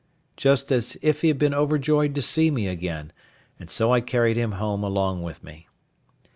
just as if he had been overjoyed to see me again; and so I carried him home along with me.